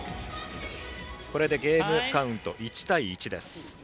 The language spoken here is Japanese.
これでゲームカウント１対１です。